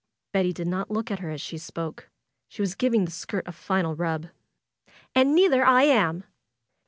Betty did not look at her as she spoke. She was giving the skirt a final rub. "And neither I am